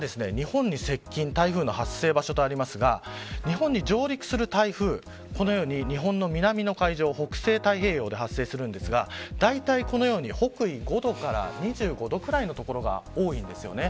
こちらが日本に接近台風の発生場所とありますが日本に上陸する台風このように日本の南の海上北西太平洋で発生するんですがだいたいこのように北緯５度から２５度くらいの所が多いんですよね。